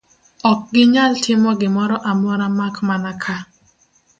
Ok ginyal timo gimoro amora mak mana ka